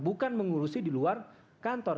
bukan mengurusi di luar kantor